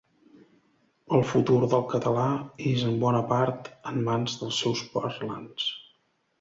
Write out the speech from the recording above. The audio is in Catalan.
El futur del català és en bona part en mans dels seus parlants.